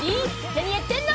何やってるの？